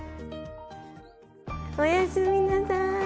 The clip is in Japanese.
おやすみなさい。